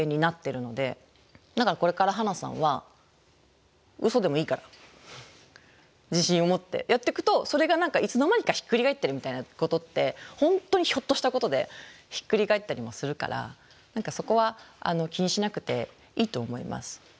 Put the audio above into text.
だからこれからハナさんはウソでもいいから自信を持ってやっていくとそれが何かいつの間にかひっくり返ってるみたいなことって本当にひょっとしたことでひっくり返ったりもするから何かそこは気にしなくていいと思います。